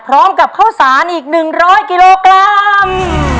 พร้อมกับข้าวสารอีกหนึ่งร้อยกิโลกรัม